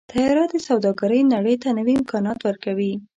طیاره د سوداګرۍ نړۍ ته نوي امکانات ورکوي.